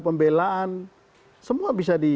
pembelaan semua bisa